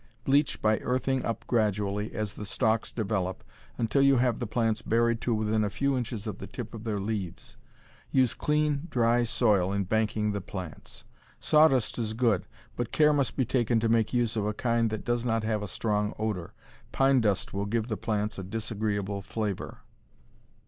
Bleach by earthing up gradually, as the stalks develop, until you have the plants buried to within a few inches of the tip of their leaves. Use clean, dry soil in banking the plants. Sawdust is good, but care must be taken to make use of a kind that does not have a strong odor. Pine dust will give the plants a disagreeable flavor.